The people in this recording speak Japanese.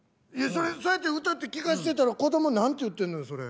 そうやって歌って聞かしてたら子供何て言ってんのよそれ。